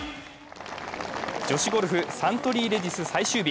女子ゴルフサントリーレディス最終日。